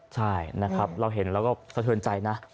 ใช่นะครับเราเห็นแล้วก็สะเทินใจนะ